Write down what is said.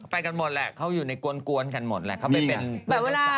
ไปกันหมดแหละเขาอยู่ในกวนกันหมดแหละเขาไปเป็น